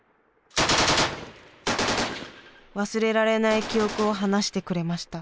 忘れられない記憶を話してくれました。